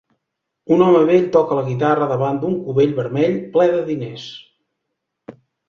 Un home vell toca la guitarra davant d'un cubell vermell ple de diners.